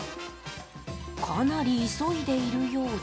かなり急いでいるようで。